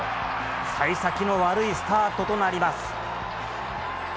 さい先の悪いスタートとなります。